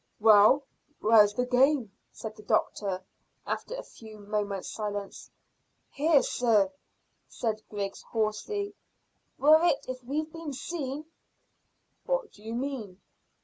"Well, where's the game?" said the doctor, after a few moments' silence. "Here, sir," said Griggs hoarsely. "We're it if we've been seen." "What do you mean?"